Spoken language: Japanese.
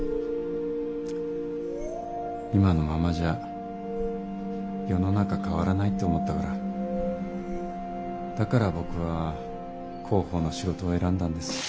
今のままじゃ世の中変わらないって思ったからだから僕は広報の仕事を選んだんです。